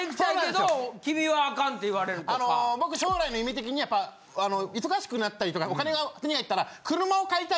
あの僕将来の夢的にやっぱ忙しくなったりとかお金が手に入ったら。